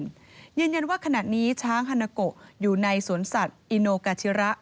ประเทศญี่ปุ่นยืนยันว่าขณะนี้ช้างฮานโนโกอยู่ในสวนสัตว์อินโอกาธิระ